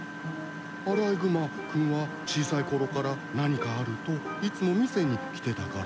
アライグマ君は小さい頃から何かあるといつも見せに来てたからね。